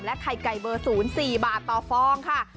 และไข่ไก่เบอร์ศูนย์๔บาทต่อฟองค่ะ